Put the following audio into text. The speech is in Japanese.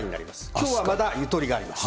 きょうはまだゆとりがあります。